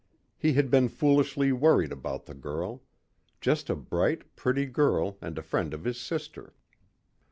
He had been foolishly worried about the girl. Just a bright, pretty girl and a friend of his sister.